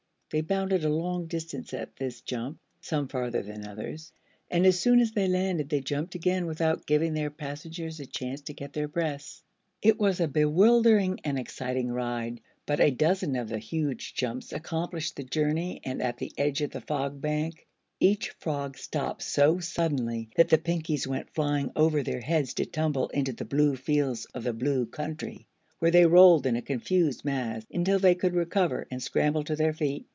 They bounded a long distance at this jump some farther than others and as soon as they landed they jumped again, without giving their passengers a chance to get their breaths. It was a bewildering and exciting ride, but a dozen of the huge jumps accomplished the journey and at the edge of Fog Bank each frog stopped so suddenly that the Pinkies went flying over their heads to tumble into the blue fields of the Blue Country, where they rolled in a confused mass until they could recover and scramble to their feet.